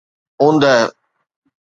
اوندهه